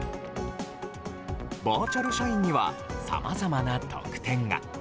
バーチャル社員にはさまざまな特典が。